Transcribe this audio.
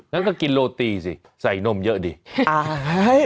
นั่นก็กินโลตี้สิใส่นมเยอะดี